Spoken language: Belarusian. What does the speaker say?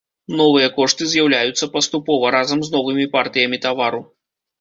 Новыя кошты з'яўляюцца паступова, разам з новымі партыямі тавару.